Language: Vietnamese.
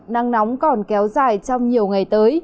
nắng nóng còn kéo dài trong nhiều ngày tới